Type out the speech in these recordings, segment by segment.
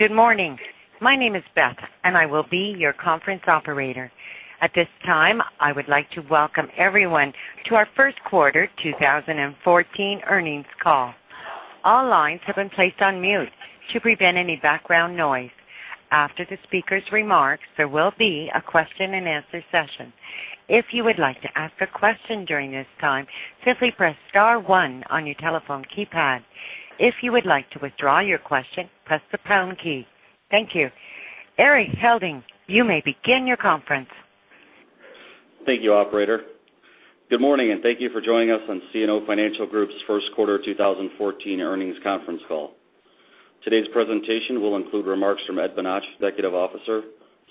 Good morning. My name is Beth, and I will be your conference operator. At this time, I would like to welcome everyone to our first quarter 2014 earnings call. All lines have been placed on mute to prevent any background noise. After the speaker's remarks, there will be a question-and-answer session. If you would like to ask a question during this time, simply press star one on your telephone keypad. If you would like to withdraw your question, press the pound key. Thank you. Erik Helding, you may begin your conference. Thank you, operator. Good morning, and thank you for joining us on CNO Financial Group's first quarter 2014 earnings conference call. Today's presentation will include remarks from Ed Bonach, Executive Officer,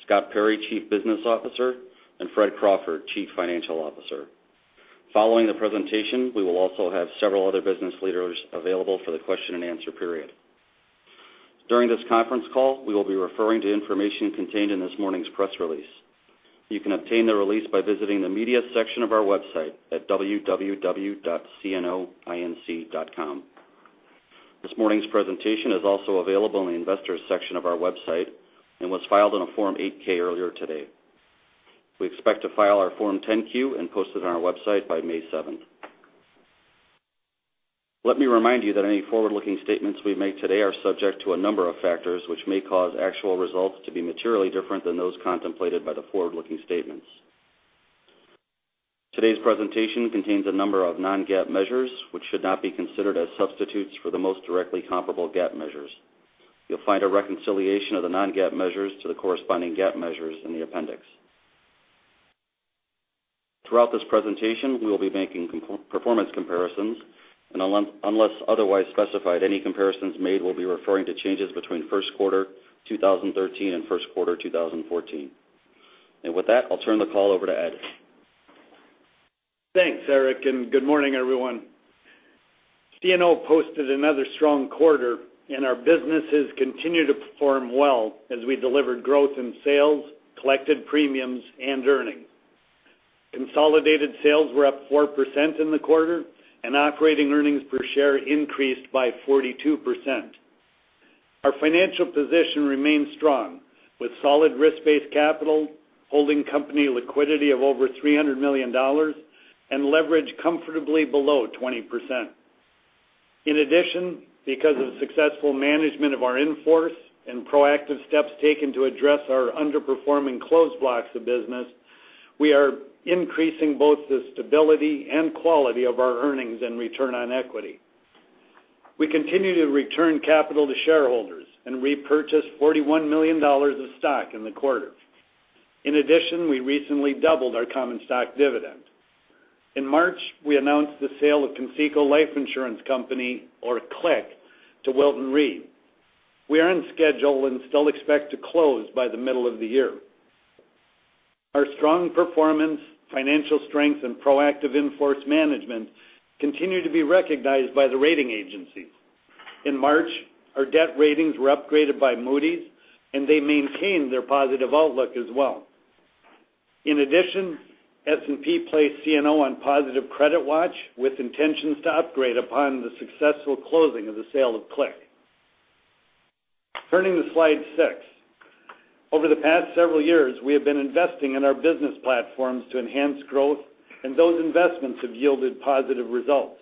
Scott Perry, Chief Business Officer, and Fred Crawford, Chief Financial Officer. Following the presentation, we will also have several other business leaders available for the question and answer period. During this conference call, we will be referring to information contained in this morning's press release. You can obtain the release by visiting the media section of our website at www.cnoinc.com. This morning's presentation is also available in the investors section of our website and was filed on a Form 8-K earlier today. We expect to file our Form 10-Q and post it on our website by May 7th. Let me remind you that any forward-looking statements we make today are subject to a number of factors which may cause actual results to be materially different than those contemplated by the forward-looking statements. Today's presentation contains a number of non-GAAP measures which should not be considered as substitutes for the most directly comparable GAAP measures. You'll find a reconciliation of the non-GAAP measures to the corresponding GAAP measures in the appendix. Throughout this presentation, we will be making performance comparisons, and unless otherwise specified, any comparisons made will be referring to changes between first quarter 2013 and first quarter 2014. With that, I'll turn the call over to Ed. Thanks, Erik, good morning, everyone. CNO posted another strong quarter, and our businesses continue to perform well as we delivered growth in sales, collected premiums, and earnings. Consolidated sales were up 4% in the quarter, operating earnings per share increased by 42%. Our financial position remains strong with solid risk-based capital, holding company liquidity of over $300 million, leverage comfortably below 20%. In addition, because of successful management of our in-force and proactive steps taken to address our underperforming closed blocks of business, we are increasing both the stability and quality of our earnings and return on equity. We continue to return capital to shareholders and repurchase $41 million of stock in the quarter. In addition, we recently doubled our common stock dividend. In March, we announced the sale of Conseco Life Insurance Company, or CLIC, to Wilton Re. We are on schedule and still expect to close by the middle of the year. Our strong performance, financial strength, and proactive in-force management continue to be recognized by the rating agencies. In March, our debt ratings were upgraded by Moody's. They maintained their positive outlook as well. In addition, S&P placed CNO on positive credit watch with intentions to upgrade upon the successful closing of the sale of CLIC. Turning to slide six. Over the past several years, we have been investing in our business platforms to enhance growth. Those investments have yielded positive results.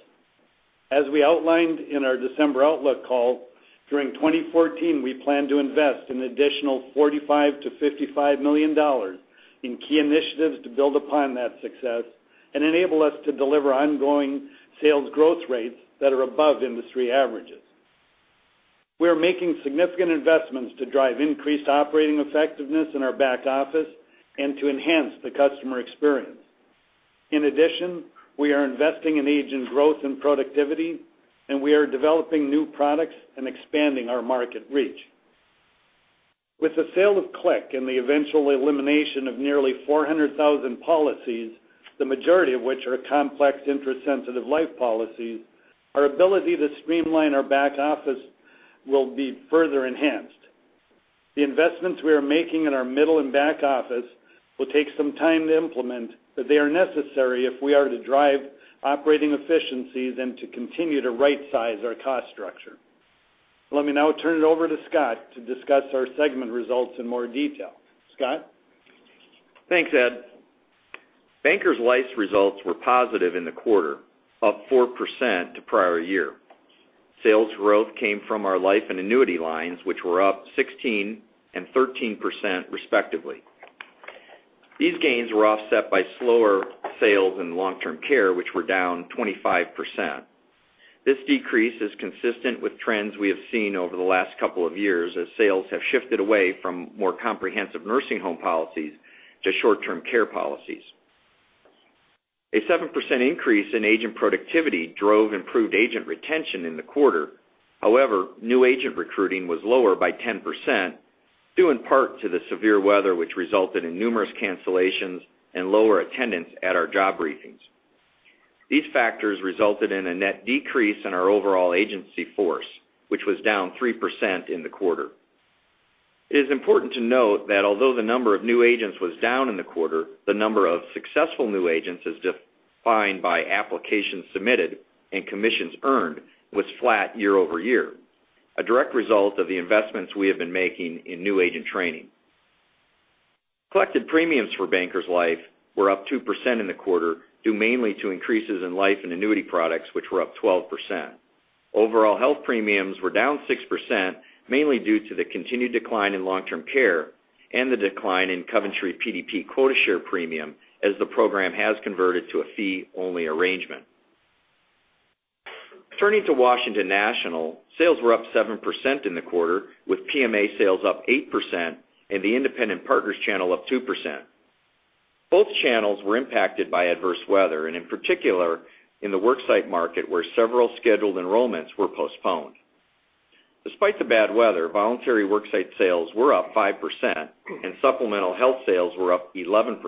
As we outlined in our December outlook call, during 2014, we plan to invest an additional $45 million to $55 million in key initiatives to build upon that success and enable us to deliver ongoing sales growth rates that are above industry averages. We are making significant investments to drive increased operating effectiveness in our back office and to enhance the customer experience. In addition, we are investing in agent growth and productivity. We are developing new products and expanding our market reach. With the sale of CLIC and the eventual elimination of nearly 400,000 policies, the majority of which are complex interest-sensitive life policies, our ability to streamline our back office will be further enhanced. The investments we are making in our middle and back office will take some time to implement. They are necessary if we are to drive operating efficiencies and to continue to right-size our cost structure. Let me now turn it over to Scott to discuss our segment results in more detail. Scott? Thanks, Ed. Bankers Life's results were positive in the quarter, up 4% to prior year. Sales growth came from our life and annuity lines, which were up 16% and 13%, respectively. These gains were offset by slower sales in long-term care, which were down 25%. This decrease is consistent with trends we have seen over the last couple of years as sales have shifted away from more comprehensive nursing home policies to short-term care policies. A 7% increase in agent productivity drove improved agent retention in the quarter. New agent recruiting was lower by 10%, due in part to the severe weather, which resulted in numerous cancellations and lower attendance at our job briefings. These factors resulted in a net decrease in our overall agency force, which was down 3% in the quarter. It is important to note that although the number of new agents was down in the quarter, the number of successful new agents, as defined by applications submitted and commissions earned, was flat year-over-year, a direct result of the investments we have been making in new agent training. Collected premiums for Bankers Life were up 2% in the quarter, due mainly to increases in life and annuity products, which were up 12%. Overall health premiums were down 6%, mainly due to the continued decline in long-term care and the decline in Coventry PDP quota share premium, as the program has converted to a fee-only arrangement. Turning to Washington National, sales were up 7% in the quarter, with PMA sales up 8% and the independent partners channel up 2%. Both channels were impacted by adverse weather, and in particular in the worksite market, where several scheduled enrollments were postponed. Despite the bad weather, voluntary worksite sales were up 5%, and supplemental health sales were up 11%.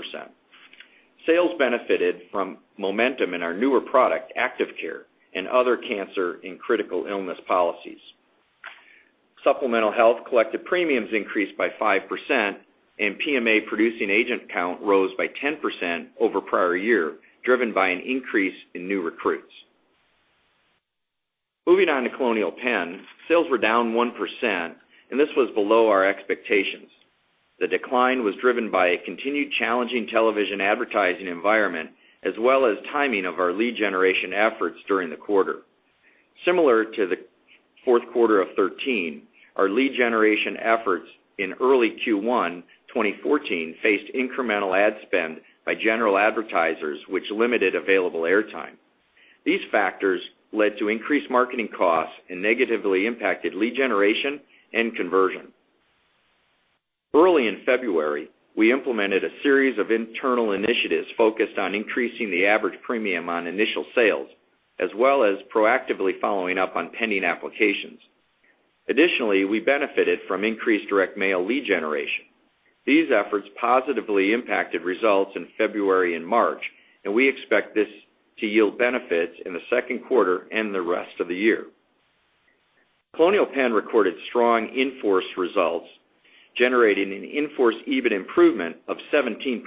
Sales benefited from momentum in our newer product, Active Care, and other cancer and critical illness policies. Supplemental health collected premiums increased by 5%, and PMA producing agent count rose by 10% over prior year, driven by an increase in new recruits. Moving on to Colonial Penn, sales were down 1%, and this was below our expectations. The decline was driven by a continued challenging television advertising environment, as well as timing of our lead generation efforts during the quarter. Similar to the fourth quarter of 2013, our lead generation efforts in early Q1 2014 faced incremental ad spend by general advertisers, which limited available airtime. These factors led to increased marketing costs and negatively impacted lead generation and conversion. Early in February, we implemented a series of internal initiatives focused on increasing the average premium on initial sales, as well as proactively following up on pending applications. Additionally, we benefited from increased direct mail lead generation. These efforts positively impacted results in February and March, and we expect this to yield benefits in the second quarter and the rest of the year. Colonial Penn recorded strong in-force results, generating an in-force EBIT improvement of 17%,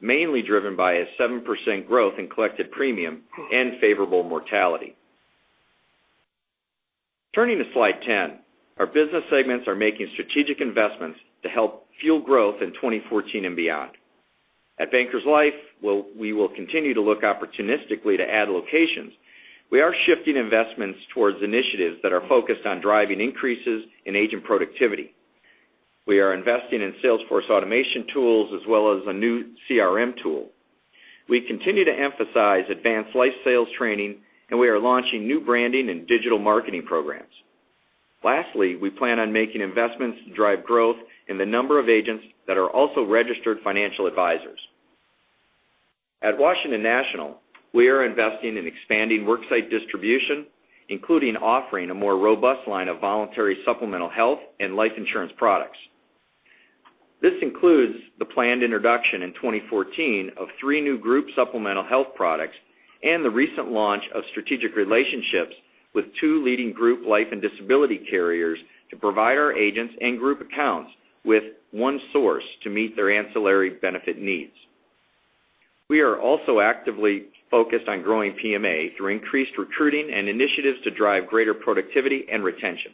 mainly driven by a 7% growth in collected premium and favorable mortality. Turning to slide 10, our business segments are making strategic investments to help fuel growth in 2014 and beyond. At Bankers Life, we will continue to look opportunistically to add locations. We are shifting investments towards initiatives that are focused on driving increases in agent productivity. We are investing in salesforce automation tools as well as a new CRM tool. We continue to emphasize advanced life sales training, and we are launching new branding and digital marketing programs. Lastly, we plan on making investments to drive growth in the number of agents that are also registered financial advisors. At Washington National, we are investing in expanding worksite distribution, including offering a more robust line of voluntary supplemental health and life insurance products. This includes the planned introduction in 2014 of three new group supplemental health products and the recent launch of strategic relationships with two leading group life and disability carriers to provide our agents and group accounts with one source to meet their ancillary benefit needs. We are also actively focused on growing PMA through increased recruiting and initiatives to drive greater productivity and retention.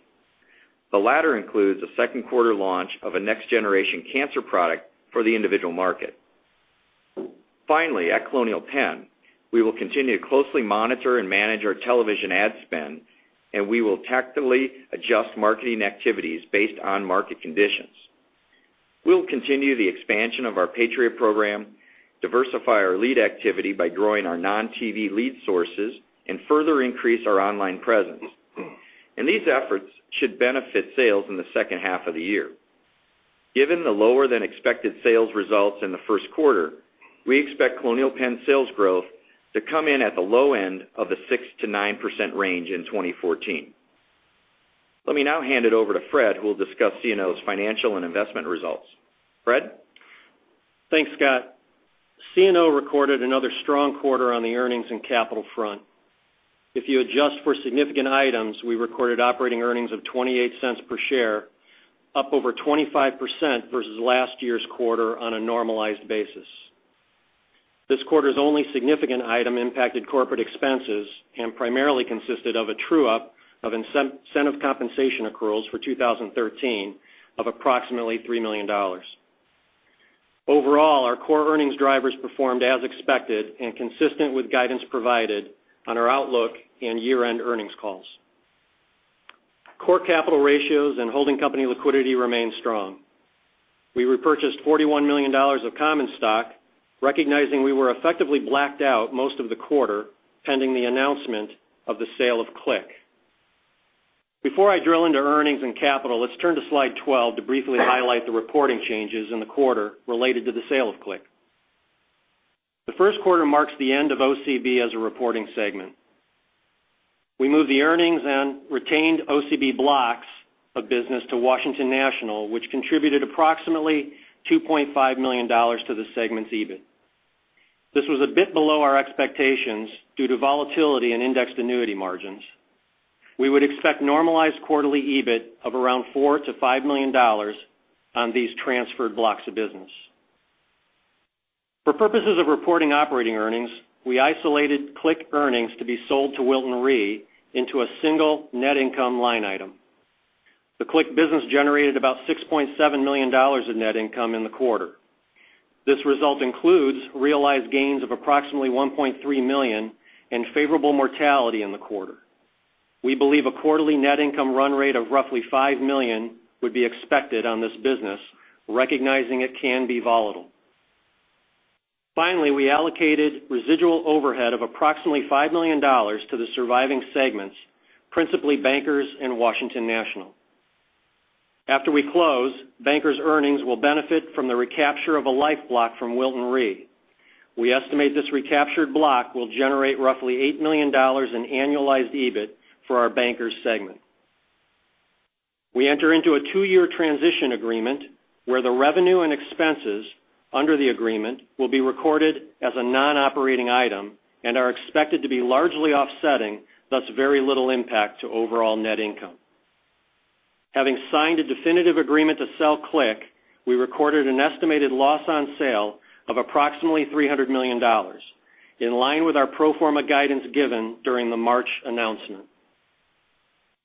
The latter includes a second quarter launch of a next-generation cancer product for the individual market. Finally, at Colonial Penn, we will continue to closely monitor and manage our television ad spend, and we will tactically adjust marketing activities based on market conditions. We will continue the expansion of our Patriot Program, diversify our lead activity by growing our non-TV lead sources, and further increase our online presence. These efforts should benefit sales in the second half of the year. Given the lower-than-expected sales results in the first quarter, we expect Colonial Penn sales growth to come in at the low end of the 6%-9% range in 2014. Let me now hand it over to Fred, who will discuss CNO's financial and investment results. Fred? Thanks, Scott. CNO recorded another strong quarter on the earnings and capital front. If you adjust for significant items, we recorded operating earnings of $0.28 per share, up over 25% versus last year's quarter on a normalized basis. This quarter's only significant item impacted corporate expenses and primarily consisted of a true-up of incentive compensation accruals for 2013 of approximately $3 million. Overall, our core earnings drivers performed as expected and consistent with guidance provided on our outlook and year-end earnings calls. Core capital ratios and holding company liquidity remain strong. We repurchased $41 million of common stock, recognizing we were effectively blacked out most of the quarter pending the announcement of the sale of CLIC. Before I drill into earnings and capital, let's turn to slide 12 to briefly highlight the reporting changes in the quarter related to the sale of CLIC. The first quarter marks the end of OCB as a reporting segment. We moved the earnings and retained OCB blocks of business to Washington National, which contributed approximately $2.5 million to the segment's EBIT. This was a bit below our expectations due to volatility in indexed annuity margins. We would expect normalized quarterly EBIT of around $4 million to $5 million on these transferred blocks of business. For purposes of reporting operating earnings, we isolated CLIC earnings to be sold to Wilton Re into a single net income line item. The CLIC business generated about $6.7 million in net income in the quarter. This result includes realized gains of approximately $1.3 million in favorable mortality in the quarter. We believe a quarterly net income run rate of roughly $5 million would be expected on this business, recognizing it can be volatile. We allocated residual overhead of approximately $5 million to the surviving segments, principally Bankers and Washington National. After we close, Bankers' earnings will benefit from the recapture of a life block from Wilton Re. We estimate this recaptured block will generate roughly $8 million in annualized EBIT for our Bankers segment. We enter into a two-year transition agreement where the revenue and expenses under the agreement will be recorded as a non-operating item and are expected to be largely offsetting, thus very little impact to overall net income. Having signed a definitive agreement to sell CLIC, we recorded an estimated loss on sale of approximately $300 million, in line with our pro forma guidance given during the March announcement.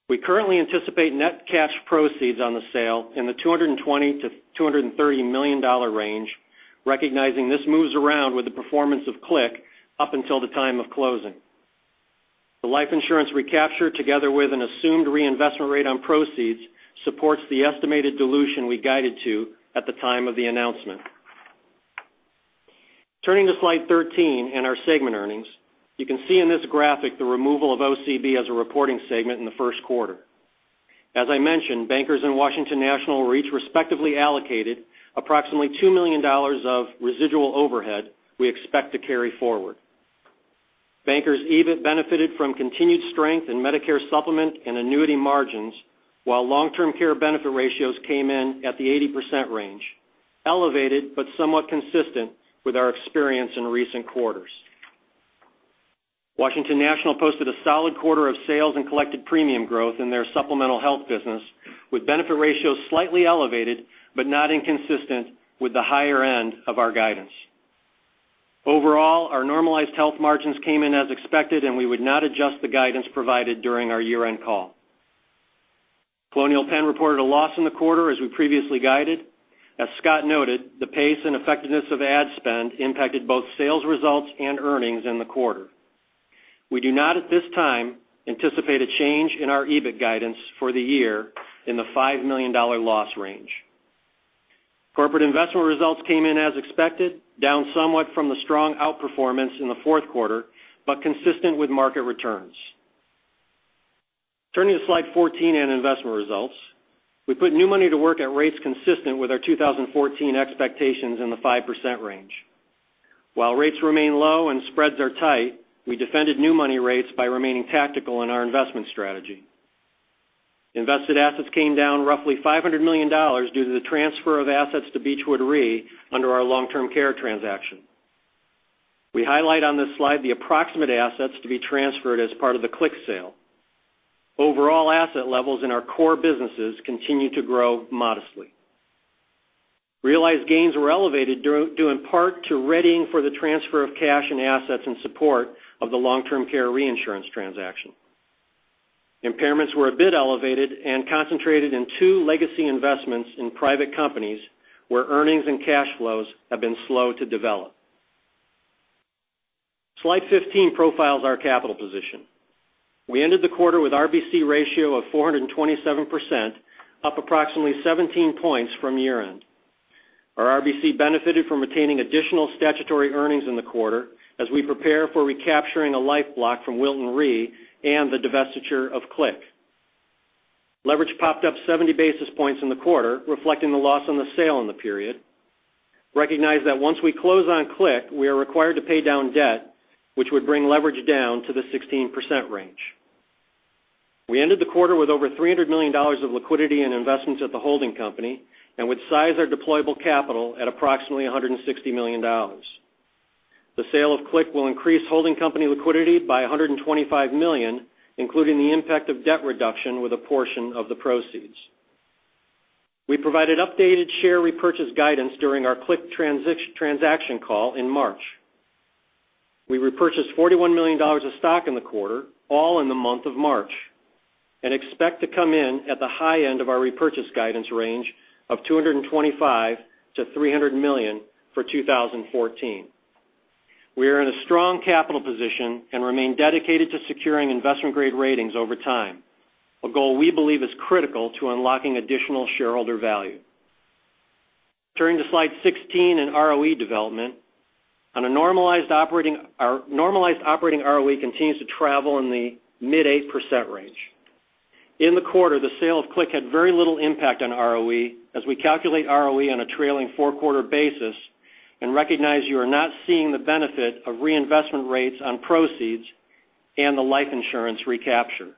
We currently anticipate net cash proceeds on the sale in the $220 million to $230 million range, recognizing this moves around with the performance of CLIC up until the time of closing. The life insurance recapture, together with an assumed reinvestment rate on proceeds, supports the estimated dilution we guided to at the time of the announcement. Turning to slide 13 and our segment earnings, you can see in this graphic the removal of OCB as a reporting segment in the first quarter. As I mentioned, Bankers and Washington National respectively allocated approximately $2 million of residual overhead we expect to carry forward. Bankers' EBIT benefited from continued strength in Medicare Supplement and annuity margins, while long-term care benefit ratios came in at the 80% range, elevated but somewhat consistent with our experience in recent quarters. Washington National posted a solid quarter of sales and collected premium growth in their supplemental health business, with benefit ratios slightly elevated but not inconsistent with the higher end of our guidance. Overall, our normalized health margins came in as expected, and we would not adjust the guidance provided during our year-end call. Colonial Penn reported a loss in the quarter as we previously guided. As Scott noted, the pace and effectiveness of ad spend impacted both sales results and earnings in the quarter. We do not at this time anticipate a change in our EBIT guidance for the year in the $5 million loss range. Corporate investment results came in as expected, down somewhat from the strong outperformance in the fourth quarter, but consistent with market returns. Turning to slide 14 in investment results, we put new money to work at rates consistent with our 2014 expectations in the 5% range. While rates remain low and spreads are tight, we defended new money rates by remaining tactical in our investment strategy. Invested assets came down roughly $500 million due to the transfer of assets to Beechwood Re under our long-term care transaction. We highlight on this slide the approximate assets to be transferred as part of the CLIC sale. Overall asset levels in our core businesses continue to grow modestly. Realized gains were elevated due in part to readying for the transfer of cash and assets in support of the long-term care reinsurance transaction. Impairments were a bit elevated and concentrated in two legacy investments in private companies where earnings and cash flows have been slow to develop. Slide 15 profiles our capital position. We ended the quarter with RBC ratio of 427%, up approximately 17 points from year-end. Our RBC benefited from retaining additional statutory earnings in the quarter as we prepare for recapturing a life block from Wilton Re and the divestiture of CLIC. Leverage popped up 70 basis points in the quarter, reflecting the loss on the sale in the period. Recognize that once we close on CLIC, we are required to pay down debt, which would bring leverage down to the 16% range. We ended the quarter with over $300 million of liquidity and investments at the holding company and would size our deployable capital at approximately $160 million. The sale of CLIC will increase holding company liquidity by $125 million, including the impact of debt reduction with a portion of the proceeds. We provided updated share repurchase guidance during our CLIC transaction call in March. We repurchased $41 million of stock in the quarter, all in the month of March, and expect to come in at the high end of our repurchase guidance range of $225 million-$300 million for 2014. We are in a strong capital position and remain dedicated to securing investment-grade ratings over time, a goal we believe is critical to unlocking additional shareholder value. Turning to slide 16 in ROE development, our normalized operating ROE continues to travel in the mid-8% range. In the quarter, the sale of CLIC had very little impact on ROE as we calculate ROE on a trailing four-quarter basis and recognize you are not seeing the benefit of reinvestment rates on proceeds and the life insurance recapture.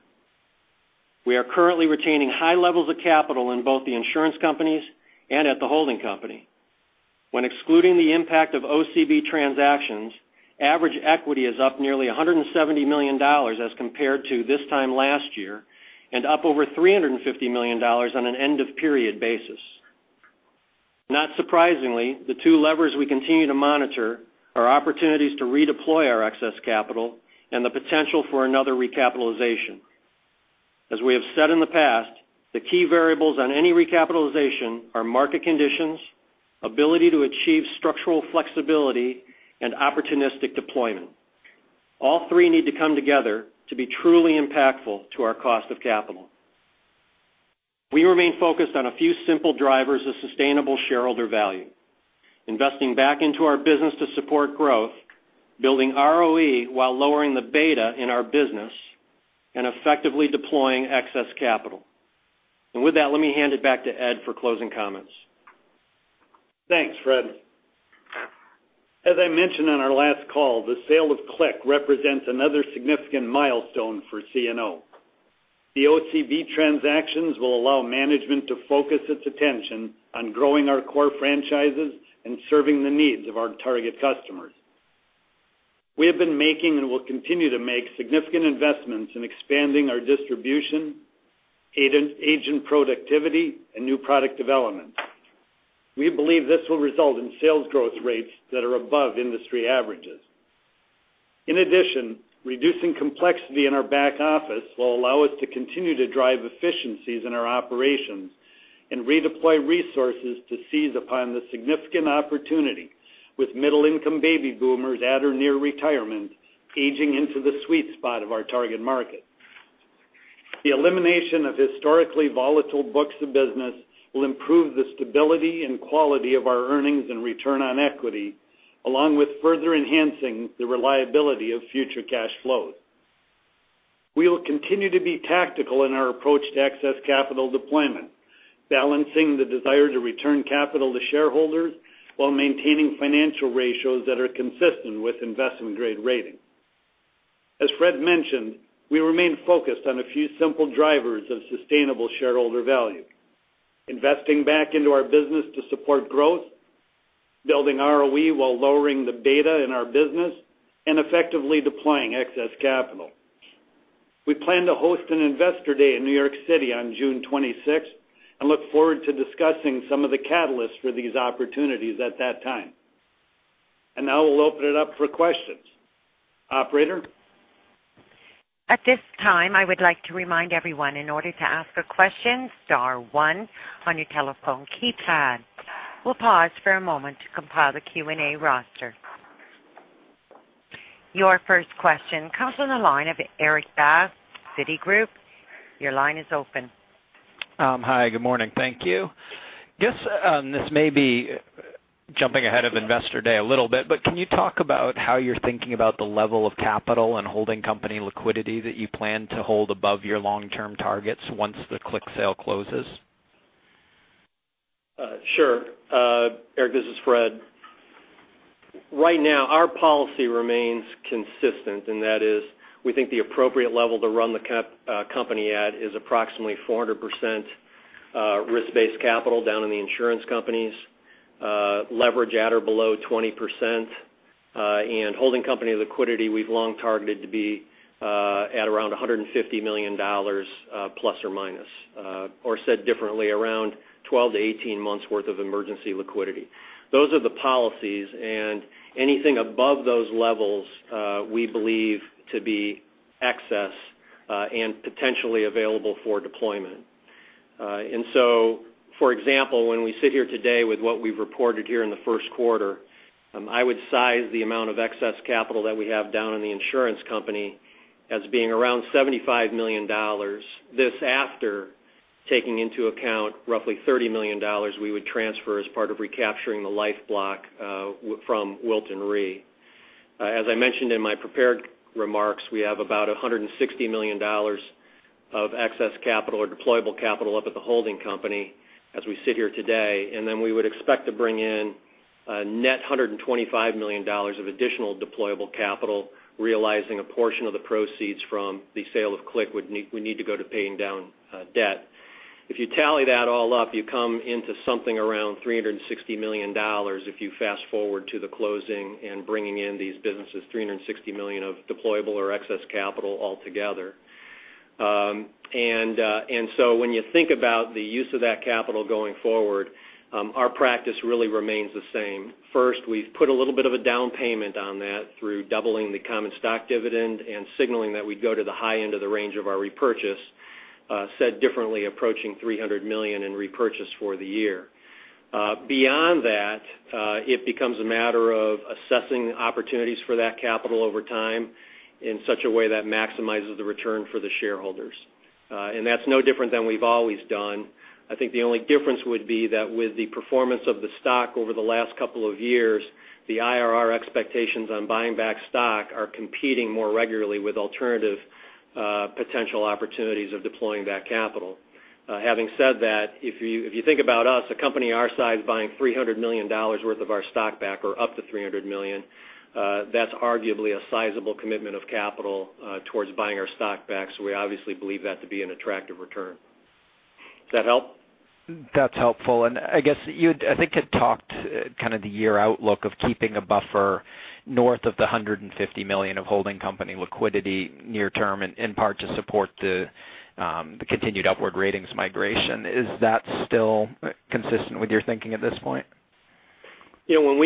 We are currently retaining high levels of capital in both the insurance companies and at the holding company. When excluding the impact of OCB transactions, average equity is up nearly $170 million as compared to this time last year, and up over $350 million on an end-of-period basis. Not surprisingly, the two levers we continue to monitor are opportunities to redeploy our excess capital and the potential for another recapitalization. As we have said in the past, the key variables on any recapitalization are market conditions, ability to achieve structural flexibility, and opportunistic deployment. All three need to come together to be truly impactful to our cost of capital. We remain focused on a few simple drivers of sustainable shareholder value, investing back into our business to support growth, building ROE while lowering the beta in our business, and effectively deploying excess capital. With that, let me hand it back to Ed for closing comments. Thanks, Fred. As I mentioned on our last call, the sale of CLIC represents another significant milestone for CNO. The OCB transactions will allow management to focus its attention on growing our core franchises and serving the needs of our target customers. We have been making and will continue to make significant investments in expanding our distribution, agent productivity, and new product development. We believe this will result in sales growth rates that are above industry averages. In addition, reducing complexity in our back office will allow us to continue to drive efficiencies in our operations and redeploy resources to seize upon the significant opportunity with middle-income baby boomers at or near retirement, aging into the sweet spot of our target market. The elimination of historically volatile books of business will improve the stability and quality of our earnings and return on equity, along with further enhancing the reliability of future cash flows. We will continue to be tactical in our approach to excess capital deployment, balancing the desire to return capital to shareholders while maintaining financial ratios that are consistent with investment-grade rating. As Fred mentioned, we remain focused on a few simple drivers of sustainable shareholder value, investing back into our business to support growth, building ROE while lowering the beta in our business, and effectively deploying excess capital. We plan to host an investor day in New York City on June 26th and look forward to discussing some of the catalysts for these opportunities at that time. Now we'll open it up for questions. Operator? At this time, I would like to remind everyone, in order to ask a question, star one on your telephone keypad. We'll pause for a moment to compile the Q&A roster. Your first question comes from the line of Erik Bass, Citigroup. Your line is open. Hi. Good morning. Thank you. This may be jumping ahead of investor day a little bit, but can you talk about how you're thinking about the level of capital and holding company liquidity that you plan to hold above your long-term targets once the CLIC sale closes? Sure. Erik, this is Fred. Right now, our policy remains consistent. That is, we think the appropriate level to run the company at is approximately 400% risk-based capital down in the insurance companies, leverage at or below 20%, and holding company liquidity we've long targeted to be at around $150 million plus or minus, or said differently, around 12 to 18 months worth of emergency liquidity. Those are the policies. Anything above those levels we believe to be excess and potentially available for deployment. For example, when we sit here today with what we've reported here in the first quarter, I would size the amount of excess capital that we have down in the insurance company as being around $75 million. This after taking into account roughly $30 million we would transfer as part of recapturing the life block from Wilton Re. As I mentioned in my prepared remarks, we have about $160 million of excess capital or deployable capital up at the holding company as we sit here today. We would expect to bring in a net $125 million of additional deployable capital, realizing a portion of the proceeds from the sale of CLIC would need to go to paying down debt. If you tally that all up, you come into something around $360 million if you fast forward to the closing and bringing in these businesses, $360 million of deployable or excess capital altogether. When you think about the use of that capital going forward, our practice really remains the same. First, we've put a little bit of a down payment on that through doubling the common stock dividend and signaling that we'd go to the high end of the range of our repurchase, said differently, approaching $300 million in repurchase for the year. Beyond that, it becomes a matter of assessing opportunities for that capital over time in such a way that maximizes the return for the shareholders. That's no different than we've always done. I think the only difference would be that with the performance of the stock over the last couple of years, the IRR expectations on buying back stock are competing more regularly with alternative potential opportunities of deploying that capital. Having said that, if you think about us, a company our size buying $300 million worth of our stock back or up to $300 million, that's arguably a sizable commitment of capital towards buying our stock back. We obviously believe that to be an attractive return. Does that help? That's helpful. I guess you, I think, had talked kind of the year outlook of keeping a buffer north of the $150 million of holding company liquidity near term, in part to support the continued upward ratings migration. Is that still consistent with your thinking at this point? When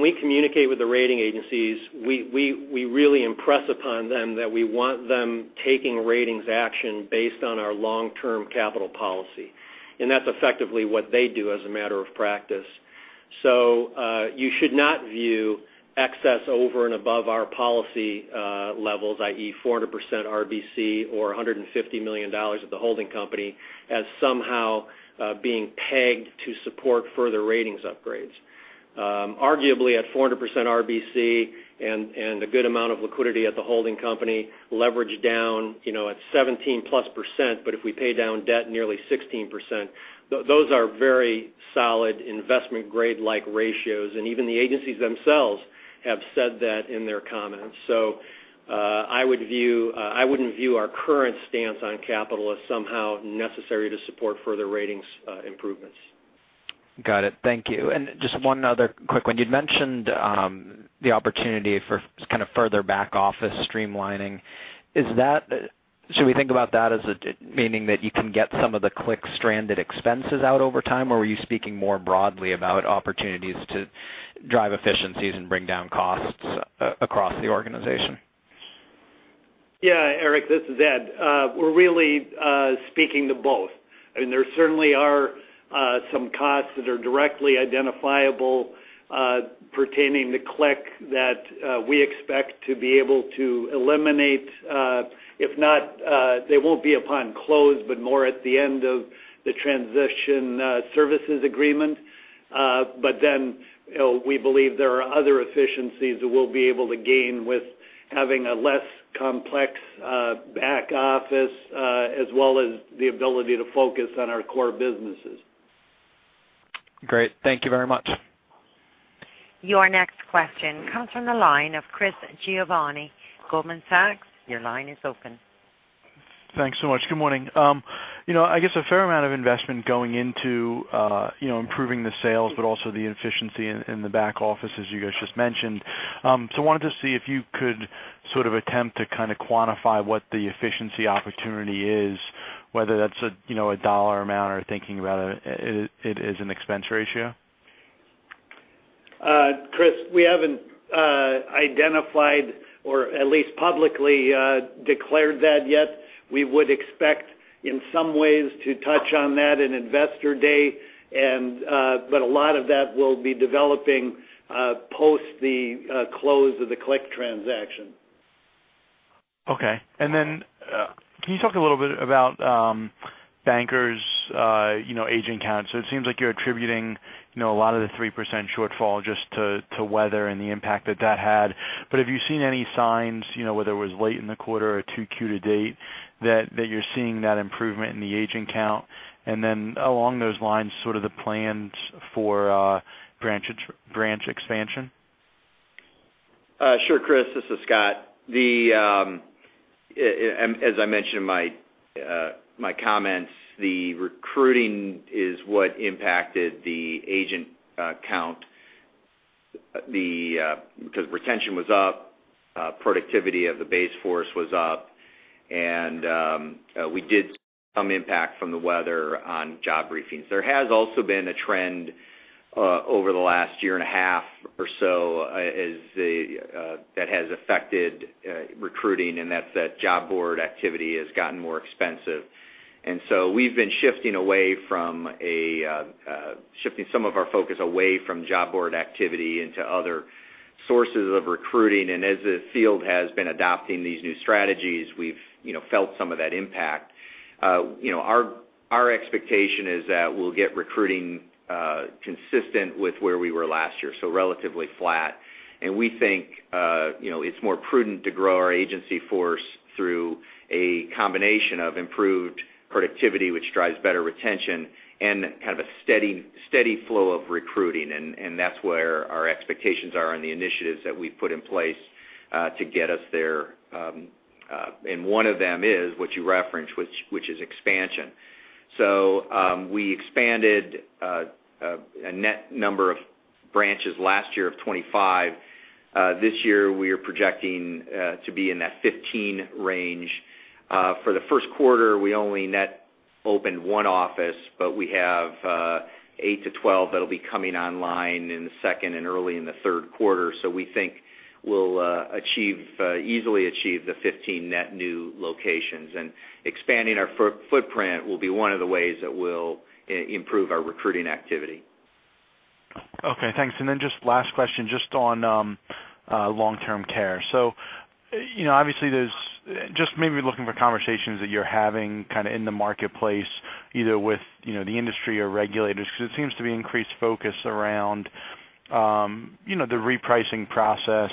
we communicate with the rating agencies, we really impress upon them that we want them taking ratings action based on our long-term capital policy, that's effectively what they do as a matter of practice. You should not view excess over and above our policy levels, i.e., 400% RBC or $150 million at the holding company, as somehow being pegged to support further ratings upgrades. Arguably, at 400% RBC and a good amount of liquidity at the holding company, leverage down at 17+%, if we pay down debt nearly 16%, those are very solid investment-grade-like ratios, even the agencies themselves have said that in their comments. I wouldn't view our current stance on capital as somehow necessary to support further ratings improvements. Got it. Thank you. Just one other quick one. You'd mentioned the opportunity for kind of further back-office streamlining. Should we think about that as meaning that you can get some of the CLIC stranded expenses out over time, were you speaking more broadly about opportunities to drive efficiencies and bring down costs across the organization? Yeah. Erik, this is Ed. We're really speaking to both. I mean, there certainly are some costs that are directly identifiable pertaining to CLIC that we expect to be able to eliminate. If not, they won't be upon close, but more at the end of the transition services agreement. We believe there are other efficiencies that we'll be able to gain with having a less complex back office as well as the ability to focus on our core businesses. Great. Thank you very much. Your next question comes from the line of Chris Giovanni, Goldman Sachs. Your line is open. Thanks so much. Good morning. I guess a fair amount of investment going into improving the sales, but also the efficiency in the back office as you guys just mentioned. I wanted to see if you could sort of attempt to kind of quantify what the efficiency opportunity is, whether that's a dollar amount or thinking about it as an expense ratio. Chris, we haven't identified or at least publicly declared that yet. We would expect in some ways to touch on that in Investor Day. A lot of that will be developing post the close of the CLIC transaction. Okay. Can you talk a little bit about Bankers Life agent counts? It seems like you're attributing a lot of the 3% shortfall just to weather and the impact that that had. Have you seen any signs, whether it was late in the quarter or 2Q to date, that you're seeing that improvement in the agent count? Along those lines, sort of the plans for branch expansion? Sure, Chris. This is Scott. As I mentioned in my comments, the recruiting is what impacted the agent count because retention was up, productivity of the base force was up. We did see some impact from the weather on job briefings. There has also been a trend over the last year and a half or so that has affected recruiting, and that's that job board activity has gotten more expensive. We've been shifting some of our focus away from job board activity into other sources of recruiting. As the field has been adopting these new strategies, we've felt some of that impact. Our expectation is that we'll get recruiting consistent with where we were last year, so relatively flat. We think it's more prudent to grow our agency force through a combination of improved productivity, which drives better retention and kind of a steady flow of recruiting, and that's where our expectations are and the initiatives that we've put in place to get us there. One of them is what you referenced, which is expansion. We expanded a net number of branches last year of 25. This year we are projecting to be in that 15 range. For the first quarter, we only net opened one office, but we have 8 to 12 that'll be coming online in the second and early in the third quarter. We think we'll easily achieve the 15 net new locations, and expanding our footprint will be one of the ways that we'll improve our recruiting activity. Okay, thanks. Then just last question, just on long-term care. Obviously, just maybe looking for conversations that you're having kind of in the marketplace, either with the industry or regulators, because it seems to be increased focus around the repricing process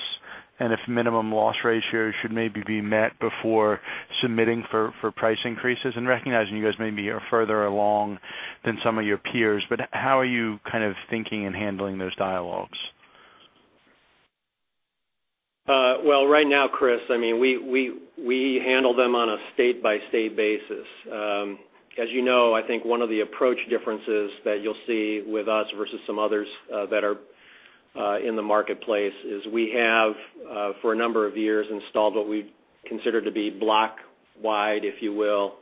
and if minimum loss ratios should maybe be met before submitting for price increases. Recognizing you guys may be further along than some of your peers, but how are you thinking and handling those dialogues? Well, right now, Chris, we handle them on a state-by-state basis. As you know, I think one of the approach differences that you'll see with us versus some others that are in the marketplace is we have, for a number of years, installed what we consider to be block-wide, if you will,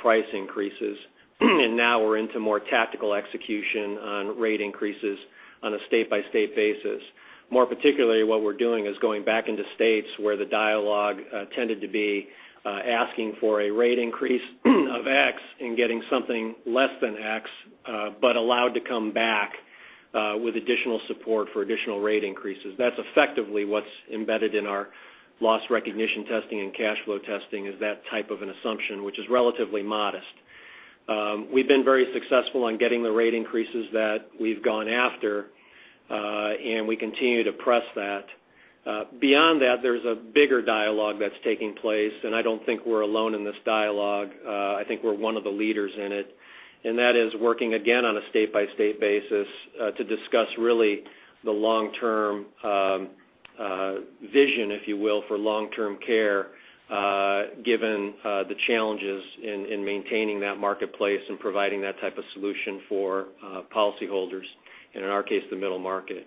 price increases. Now we're into more tactical execution on rate increases on a state-by-state basis. More particularly, what we're doing is going back into states where the dialogue tended to be asking for a rate increase of X and getting something less than X, but allowed to come back with additional support for additional rate increases. That's effectively what's embedded in our loss recognition testing and cash flow testing, is that type of an assumption, which is relatively modest. We've been very successful in getting the rate increases that we've gone after, and we continue to press that. Beyond that, there's a bigger dialogue that's taking place, and I don't think we're alone in this dialogue. I think we're one of the leaders in it. That is working again on a state-by-state basis to discuss really the long-term vision, if you will, for long-term care, given the challenges in maintaining that marketplace and providing that type of solution for policyholders and in our case, the middle market.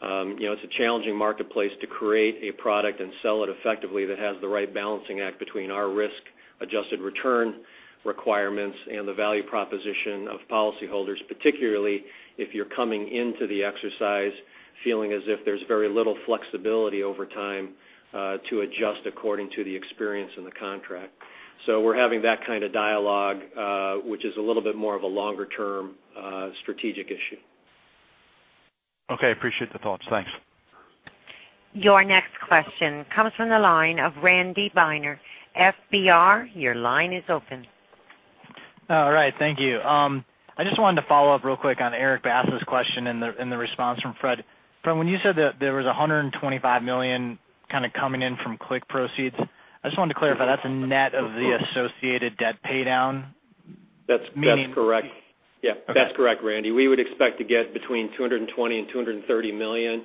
It's a challenging marketplace to create a product and sell it effectively that has the right balancing act between our risk-adjusted return requirements and the value proposition of policyholders, particularly if you're coming into the exercise feeling as if there's very little flexibility over time to adjust according to the experience in the contract. We're having that kind of dialogue, which is a little bit more of a longer-term strategic issue. Okay. Appreciate the thoughts. Thanks. Your next question comes from the line of Randy Binner, FBR. Your line is open. All right. Thank you. I just wanted to follow up real quick on Erik Bass's question and the response from Fred. Fred, when you said that there was $125 million kind of coming in from CLIC proceeds, I just wanted to clarify that's a net of the associated debt paydown? That's correct. Meaning- Yeah, that's correct, Randy. We would expect to get between $220 million and $230 million.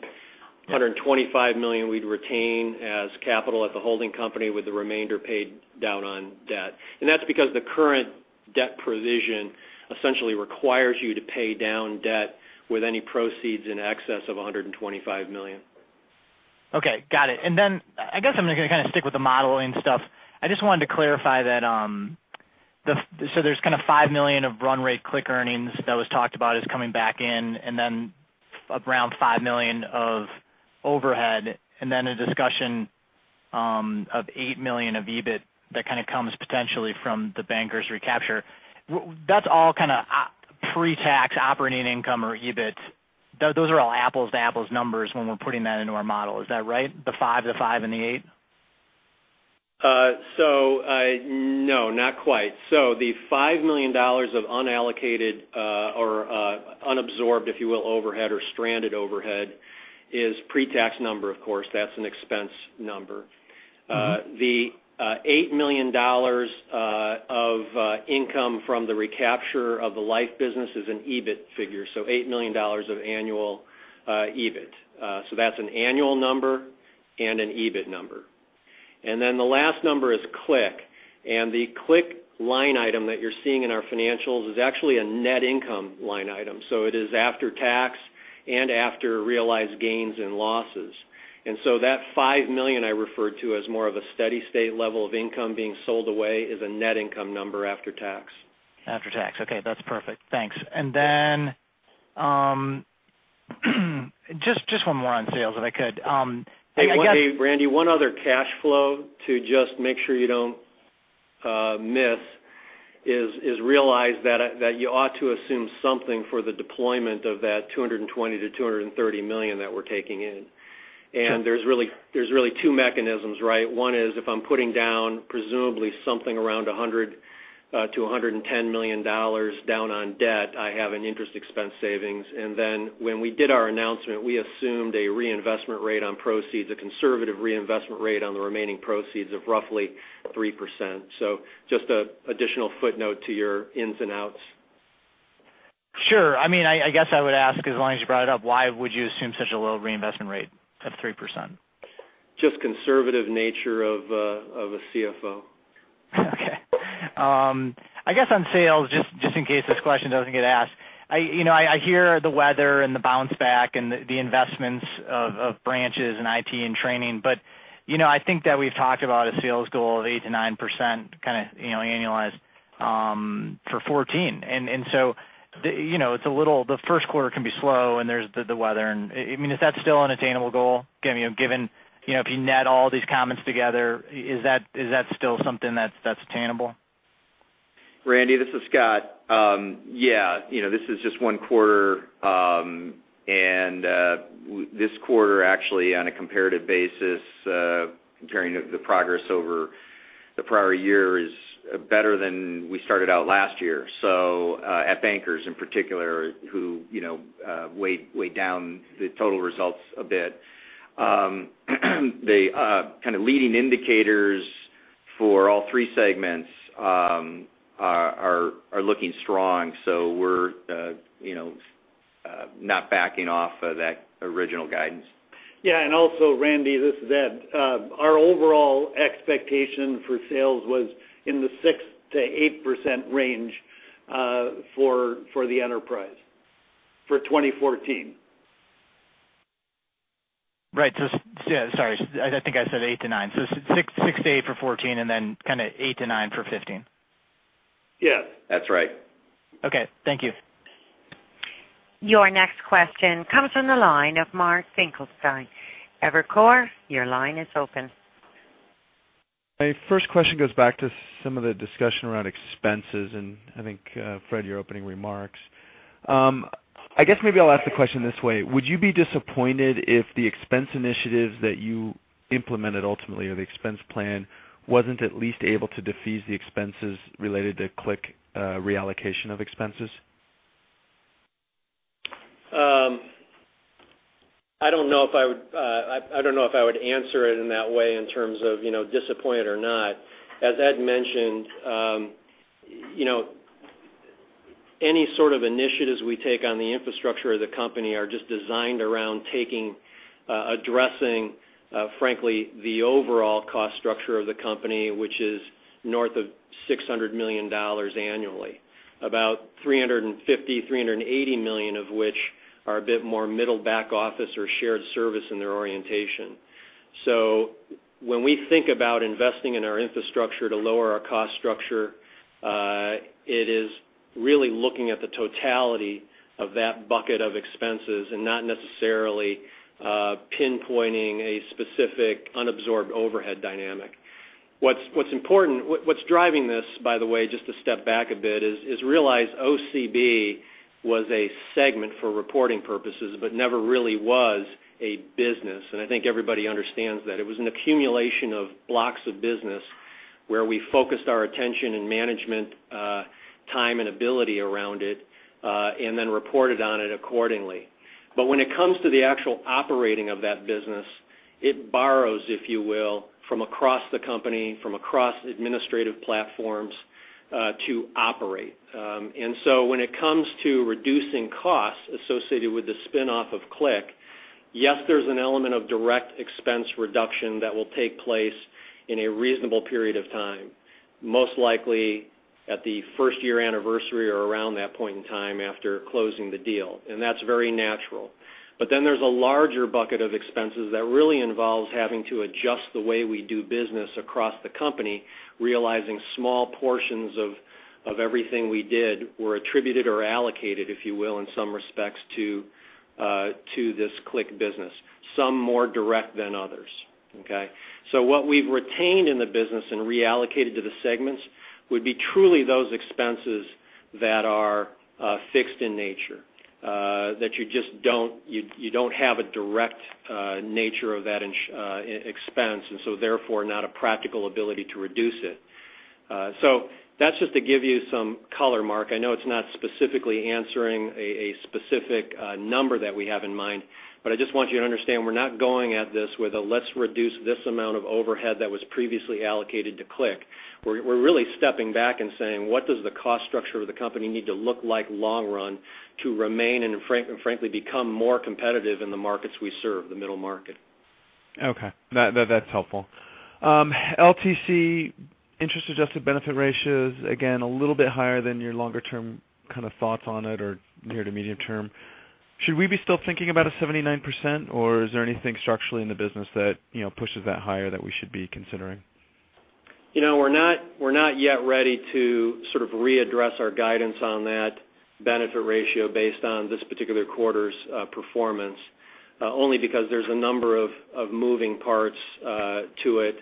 $125 million we'd retain as capital at the holding company with the remainder paid down on debt. That's because the current debt provision essentially requires you to pay down debt with any proceeds in excess of $125 million. Okay. Got it. I guess I'm going to kind of stick with the modeling stuff. I just wanted to clarify that, there's kind of $5 million of run rate CLIC earnings that was talked about as coming back in, around $5 million of overhead, a discussion of $8 million of EBIT that kind of comes potentially from the Bankers Life recapture. That's all kind of pre-tax operating income or EBIT. Those are all apples-to-apples numbers when we're putting that into our model. Is that right? The five, the five, and the eight? No, not quite. The $5 million of unallocated or unabsorbed, if you will, overhead or stranded overhead is pre-tax number, of course. That's an expense number. The $8 million of income from the recapture of the life business is an EBIT figure, $8 million of annual EBIT. That's an annual number and an EBIT number. The last number is CLIC. The CLIC line item that you're seeing in our financials is actually a net income line item. It is after tax and after realized gains and losses. That $5 million I referred to as more of a steady state level of income being sold away is a net income number after tax. After tax. Okay. That's perfect. Thanks. Just one more on sales, if I could. I guess- Hey, Randy, one other cash flow to just make sure you don't miss is realize that you ought to assume something for the deployment of that $220 million-$230 million that we're taking in. There's really two mechanisms, right? One is if I'm putting down presumably something around $100 million-$110 million down on debt, I have an interest expense savings. Then when we did our announcement, we assumed a reinvestment rate on proceeds, a conservative reinvestment rate on the remaining proceeds of roughly 3%. Just an additional footnote to your ins and outs. Sure. I guess I would ask, as long as you brought it up, why would you assume such a low reinvestment rate of 3%? Just conservative nature of a CFO. Okay. I guess on sales, just in case this question doesn't get asked, I hear the weather and the bounce back and the investments of branches and IT and training, I think that we've talked about a sales goal of 8%-9% kind of annualized for 2014. The first quarter can be slow, there's the weather, is that still an attainable goal, given if you net all these comments together, is that still something that's attainable? Randy, this is Scott. Yeah. This is just one quarter, this quarter actually on a comparative basis comparing the progress over The prior year is better than we started out last year. At Bankers in particular, who weighed down the total results a bit. The kind of leading indicators for all three segments are looking strong. We're not backing off of that original guidance. Yeah. Also, Randy, this is Ed. Our overall expectation for sales was in the 6%-8% range for the enterprise for 2014. Right. Sorry, I think I said 8%-9%. 6%-8% for 2014, then kind of 8%-9% for 2015. Yes. That's right. Okay. Thank you. Your next question comes from the line of Mark Finkelstein. Evercore, your line is open. My first question goes back to some of the discussion around expenses, and I think, Fred, your opening remarks. I guess maybe I'll ask the question this way. Would you be disappointed if the expense initiatives that you implemented ultimately, or the expense plan, wasn't at least able to defease the expenses related to CLIC reallocation of expenses? I don't know if I would answer it in that way in terms of disappointed or not. As Ed mentioned, any sort of initiatives we take on the infrastructure of the company are just designed around taking, addressing, frankly, the overall cost structure of the company, which is north of $600 million annually. About $350 million-$380 million of which are a bit more middle back office or shared service in their orientation. When we think about investing in our infrastructure to lower our cost structure, it is really looking at the totality of that bucket of expenses and not necessarily pinpointing a specific unabsorbed overhead dynamic. What's important, what's driving this, by the way, just to step back a bit, is realize OCB was a segment for reporting purposes but never really was a business. I think everybody understands that. It was an accumulation of blocks of business where we focused our attention and management time and ability around it, then reported on it accordingly. When it comes to the actual operating of that business, it borrows, if you will, from across the company, from across administrative platforms, to operate. When it comes to reducing costs associated with the spinoff of CLIC, yes, there's an element of direct expense reduction that will take place in a reasonable period of time, most likely at the first year anniversary or around that point in time after closing the deal, that's very natural. There's a larger bucket of expenses that really involves having to adjust the way we do business across the company, realizing small portions of everything we did were attributed or allocated, if you will, in some respects to this CLIC business, some more direct than others. Okay. What we've retained in the business and reallocated to the segments would be truly those expenses that are fixed in nature, that you don't have a direct nature of that expense, therefore not a practical ability to reduce it. That's just to give you some color, Mark. I know it's not specifically answering a specific number that we have in mind, I just want you to understand we're not going at this with a, "Let's reduce this amount of overhead that was previously allocated to CLIC." We're really stepping back and saying, what does the cost structure of the company need to look like long run to remain and frankly become more competitive in the markets we serve, the middle market. Okay. That's helpful. LTC interest-adjusted benefit ratios, again, a little bit higher than your longer-term kind of thoughts on it, or near to medium term. Should we be still thinking about a 79%, or is there anything structurally in the business that pushes that higher that we should be considering? We're not yet ready to sort of readdress our guidance on that benefit ratio based on this particular quarter's performance, only because there's a number of moving parts to it,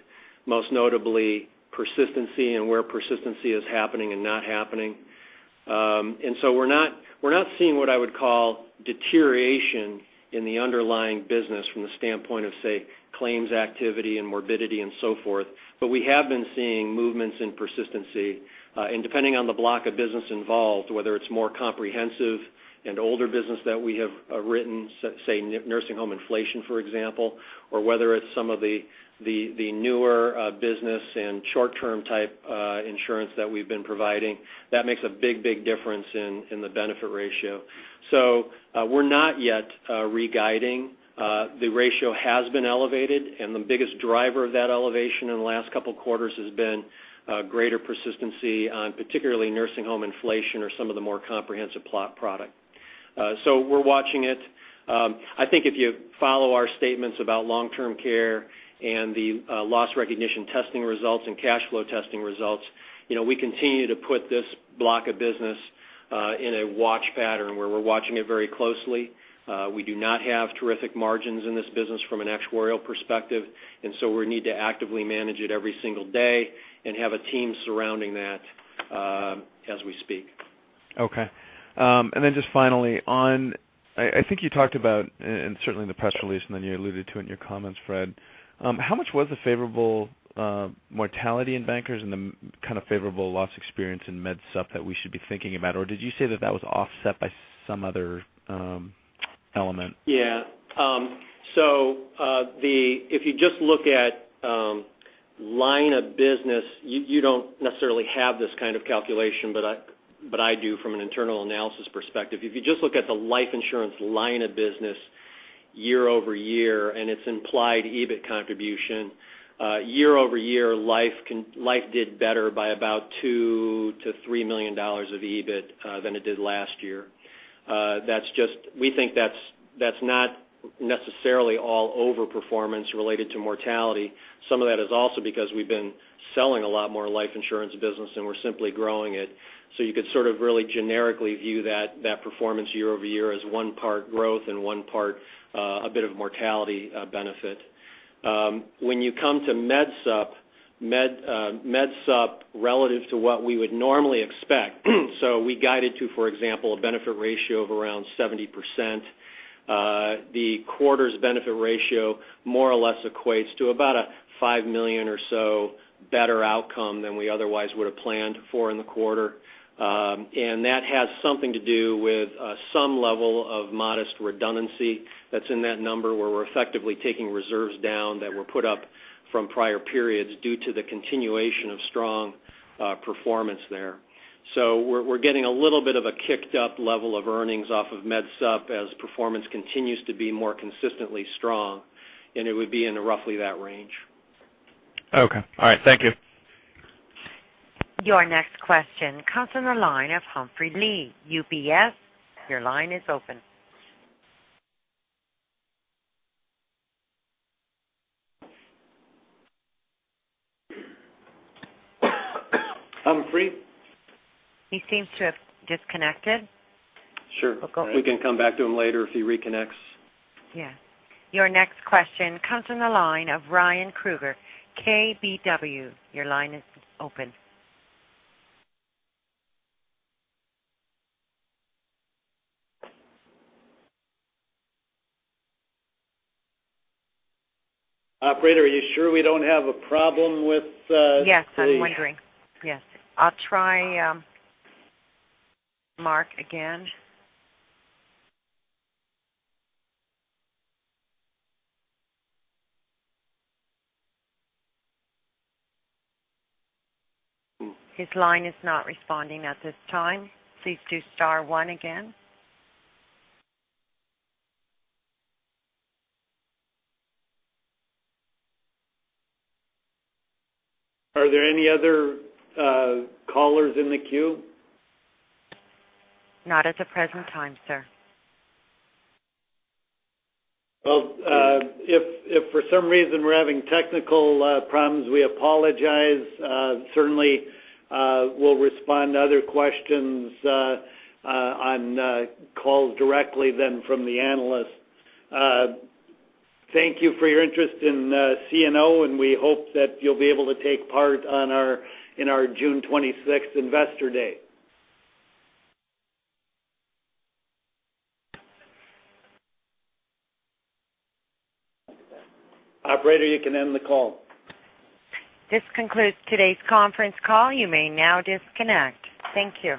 most notably persistency and where persistency is happening and not happening. We're not seeing what I would call deterioration in the underlying business from the standpoint of, say, claims activity and morbidity and so forth. We have been seeing movements in persistency, and depending on the block of business involved, whether it's more comprehensive and older business that we have written, say, nursing home inflation, for example, or whether it's some of the newer business and short-term type insurance that we've been providing. That makes a big difference in the benefit ratio. We're not yet re-guiding. The ratio has been elevated, and the biggest driver of that elevation in the last couple of quarters has been greater persistency on particularly nursing home inflation or some of the more comprehensive product. We're watching it. I think if you follow our statements about long-term care and the loss recognition testing results and cash flow testing results, we continue to put this block of business in a watch pattern where we're watching it very closely. We do not have terrific margins in this business from an actuarial perspective, and so we need to actively manage it every single day and have a team surrounding that as we speak. Okay. Just finally, I think you talked about, and certainly in the press release, and then you alluded to it in your comments, Fred, how much was the favorable mortality in Bankers and the kind of favorable loss experience in Medicare Supplement that we should be thinking about? Did you say that that was offset by some other element? If you just look at line of business, you don't necessarily have this kind of calculation, but I do from an internal analysis perspective. If you just look at the life insurance line of business year-over-year, and its implied EBIT contribution, year-over-year, life did better by about $2 million to $3 million of EBIT than it did last year. We think that's not necessarily all over performance related to mortality. Some of that is also because we've been selling a lot more life insurance business, and we're simply growing it. You could sort of really generically view that performance year-over-year as one part growth and one part a bit of mortality benefit. When you come to Medicare Supplement, Medicare Supplement relative to what we would normally expect. We guided to, for example, a benefit ratio of around 70%. The quarter's benefit ratio more or less equates to about a $5 million or so better outcome than we otherwise would have planned for in the quarter. That has something to do with some level of modest redundancy that's in that number, where we're effectively taking reserves down that were put up from prior periods due to the continuation of strong performance there. We're getting a little bit of a kicked up level of earnings off of Medicare Supplement as performance continues to be more consistently strong, and it would be in roughly that range. Okay. All right. Thank you. Your next question comes on the line of Humphrey Lee, UBS. Your line is open. Humphrey? He seems to have disconnected. Sure. We'll go- We can come back to him later if he reconnects. Yeah. Your next question comes from the line of Ryan Krueger, KBW. Your line is open. Operator, are you sure we don't have a problem? Yes, I'm wondering. Yes. I'll try Mark again. His line is not responding at this time. Please do star one again. Are there any other callers in the queue? Not at the present time, sir. If for some reason we're having technical problems, we apologize. Certainly, we'll respond to other questions on calls directly then from the analyst. Thank you for your interest in CNO, and we hope that you'll be able to take part in our June 26th Investor Day. Operator, you can end the call. This concludes today's conference call. You may now disconnect. Thank you